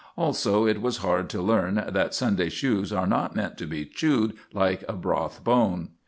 Also it was hard to learn that Sunday shoes are not meant to be chewed like a broth bone.